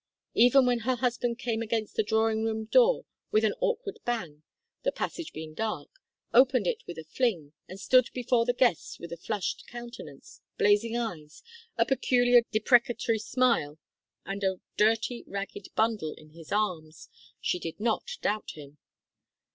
Even when her husband came against the drawing room door with an awkward bang the passage being dark opened it with a fling, and stood before the guests with a flushed countenance, blazing eyes, a peculiar deprecatory smile, and a dirty ragged bundle in his arms, she did not doubt him.